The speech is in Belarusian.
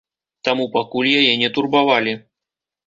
Таму пакуль яе не турбавалі.